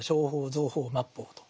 像法末法と。